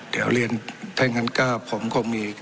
เดี๋ยวเรียนถ้างั้นก็ผมคงมี